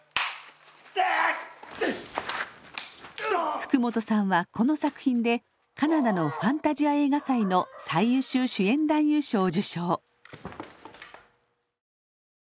福本さんはこの作品でカナダのファンタジア映画祭の最優秀主演男優賞を受賞。